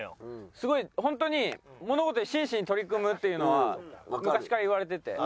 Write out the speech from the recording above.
すごいホントに物事に真摯に取り組むっていうのは昔から言われてて。